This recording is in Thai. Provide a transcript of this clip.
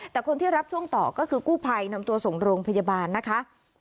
แต่คนที่รับช่วงต่อก็คือกู้ภัยนำตัวส่งโรงพยาบาลนะคะ